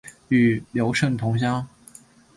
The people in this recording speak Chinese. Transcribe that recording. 与刘胜同乡。